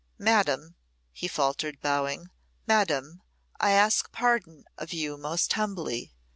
"Madam," he faltered, bowing "Madam, I ask pardon of you most humbly!